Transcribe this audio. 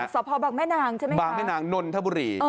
สพบางแม่นางใช่ไหมคะบางแม่นางนนทบุรี